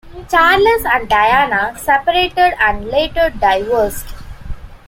Charles and Diana separated and later divorced.